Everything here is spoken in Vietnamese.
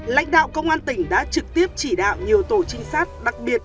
lãnh đạo công an tỉnh đã trực tiếp chỉ đạo nhiều tổ trinh sát đặc biệt